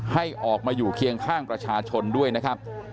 ให้ออกมาอยู่เคียงข้างประชาชนด้วยนะครับ